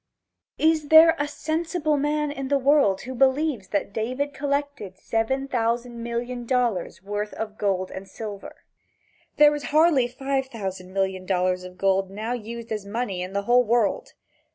Is there a sensible man in the world who believes that David collected seven thousand million dollars worth of gold or silver? There is hardly five thousand million dollars of gold now used as money in the whole world.